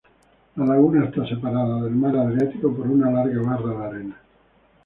La laguna está separada del mar Adriático por una larga barra de arena.